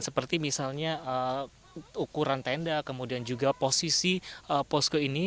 seperti misalnya ukuran tenda kemudian juga posisi posko ini